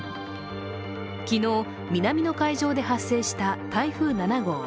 昨日、南の海上で発生した台風７号。